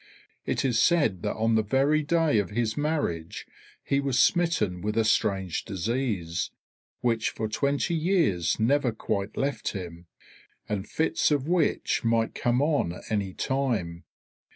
It is said that on the very day of his marriage he was smitten with a strange disease, which for twenty years never quite left him, and fits of which might come on at any time.